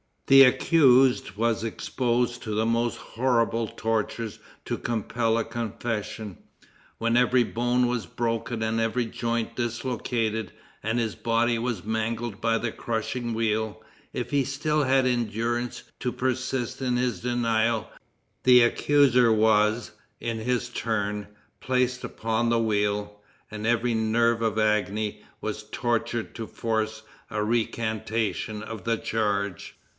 The accused was exposed to the most horrible tortures to compel a confession. When every bone was broken and every joint dislocated, and his body was mangled by the crushing wheel, if he still had endurance to persist in his denial, the accuser was, in his turn, placed upon the wheel, and every nerve of agony was tortured to force a recantation of the charge.